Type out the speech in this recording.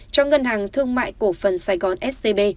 cho ngân hàng thương mại cổ phần sài gòn scb